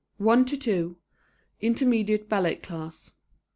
1:00 to 2:00 Intermediate Ballet Class.